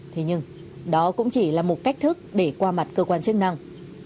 thế nhưng đó cũng chỉ là một cách thức để qua mặt cơ quan chức năng